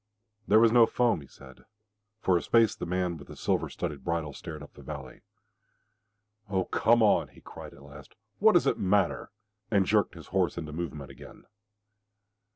"There was no foam," he said. For a space the man with the silver studded bridle stared up the valley. "Oh, come on!" he cried at last. "What does it matter?" and jerked his horse into movement again.